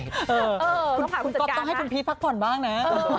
เออต้องถ่ายผู้จัดการนะคุณก๊อปต้องให้คุณพีชพักผ่อนบ้างนะ